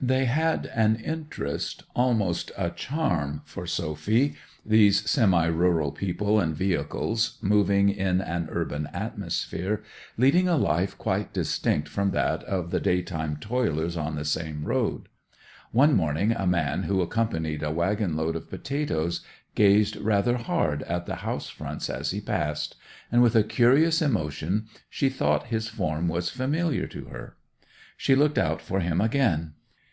They had an interest, almost a charm, for Sophy, these semirural people and vehicles moving in an urban atmosphere, leading a life quite distinct from that of the daytime toilers on the same road. One morning a man who accompanied a waggon load of potatoes gazed rather hard at the house fronts as he passed, and with a curious emotion she thought his form was familiar to her. She looked out for him again.